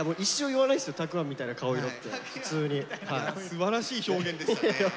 すばらしい表現でしたね。